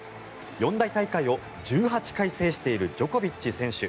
四大大会を１８回制しているジョコビッチ選手。